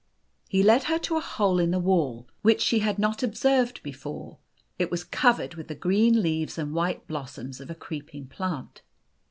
He led her to a hole in the wall, which she had not observed before. It was covered with the green leaves and white blossoms of a creeping plant.